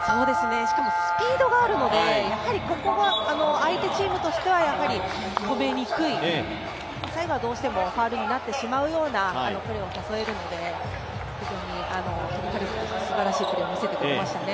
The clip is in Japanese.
しかもスピードがあるので、やはりここは相手チームとしてはとめにくい、最後はどうしてもファウルになってしまうようなプレーを誘えるので、非常に突破力すばらしいプレーを見せてくれましたね。